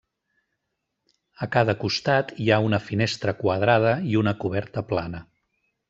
A cada costat hi ha una finestra quadrada i una coberta plana.